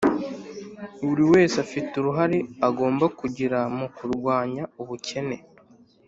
buri wese afite uruhare agomba kugira mu kurwanya ubukene